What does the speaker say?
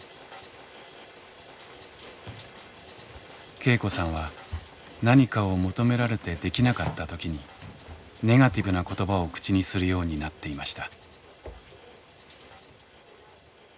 恵子さんは何かを求められてできなかった時にネガティブな言葉を口にするようになっていました。